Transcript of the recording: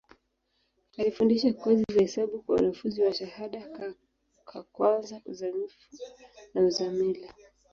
Alifundisha kozi za hesabu kwa wanafunzi wa shahada ka kwanza, uzamivu na uzamili.